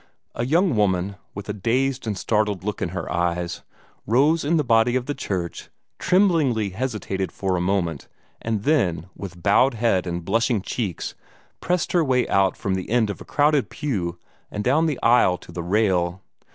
A young woman, with a dazed and startled look in her eyes, rose in the body of the church tremblingly hesitated for a moment, and then, with bowed head and blushing cheeks, pressed her way out from the end of a crowded pew and down the aisle to the rail.